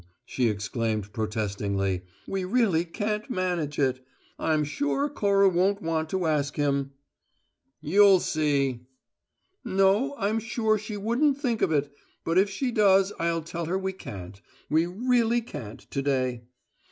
she exclaimed, protestingly. "We really can't manage it. I'm sure Cora won't want to ask him " "You'll see!" "No; I'm sure she wouldn't think of it, but if she does I'll tell her we can't. We really can't, to day."